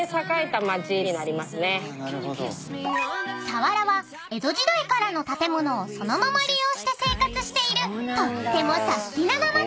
［佐原は江戸時代からの建物をそのまま利用して生活しているとってもサスティなな町］